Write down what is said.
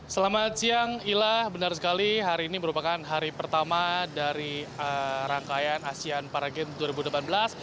selamat siang ila benar sekali hari ini merupakan hari pertama dari rangkaian asean para games dua ribu delapan belas